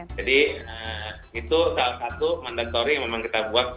jadi itu salah satu mandatory yang memang kita buat